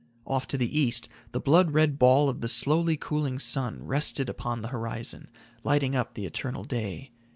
Off to the east the blood red ball of the slowly cooling sun rested upon the horizon, lighting up the eternal day.